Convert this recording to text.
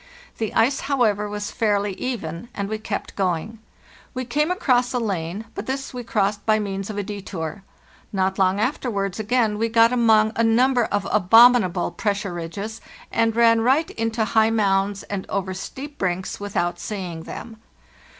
The ice, however, was fairly even, and we kept going. We came across a lane, but this we crossed by means of a detour. Not long afterwards again we got among a number of abominable pressure ridges, and ran right into high mounds and over steep brinks without seeing them.